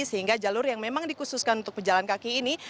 sehingga jalur yang memang dikhususkan untuk pejalan kaki ini